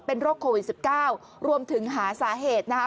โรคโควิด๑๙รวมถึงหาสาเหตุนะคะ